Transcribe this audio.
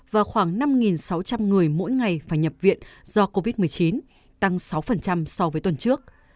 và khoảng năm sáu trăm linh người mỗi ngày phải nhập viện do covid một mươi chín tăng sáu so với tuần trước